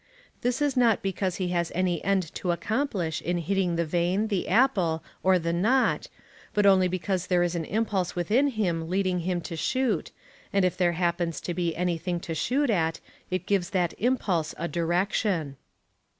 This is not because he has any end to accomplish in hitting the vane, the apple, or the knot, but only because there is an impulse within him leading him to shoot, and if there happens to be any thing to shoot at, it gives that impulse a direction.